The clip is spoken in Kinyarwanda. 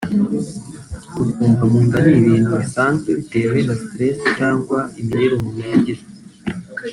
Gutumba mu nda ni ibintu bisanzwe bitewe na stress cyangwa imirire umuntu yagize